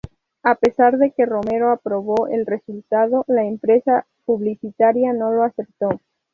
A pesar de que Romero aprobó el resultado, la empresa publicitaria no lo aceptó.